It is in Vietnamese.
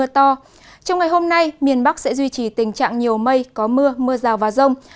trong ngày hôm nay miền bắc sẽ duy trì tình trạng nhiều mây có mưa mưa rào và rông